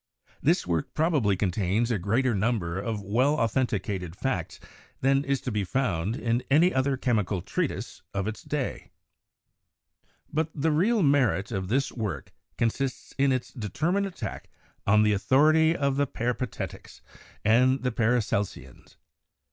This work probably con tains a greater number of well authenticated facts than is to be found in any other chemical treatise of its day. But the real merit of this work consists in its deter mined attack on the authority of the Peripatetics and 92 CHEMISTRY the Paracelsians.